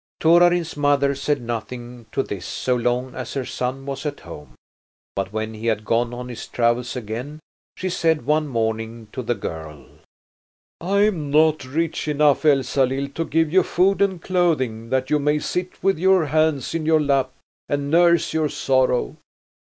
Torarin's mother said nothing to this so long as her son was at home. But when he had gone on his travels again she said one morning to the girl: "I am not rich enough, Elsalill, to give you food and clothing that you may sit with your hands in your lap and nurse your sorrow.